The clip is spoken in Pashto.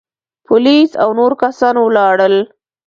پوليس او نور کسان ولاړل.